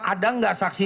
ada gak saksi